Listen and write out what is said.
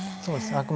そうですね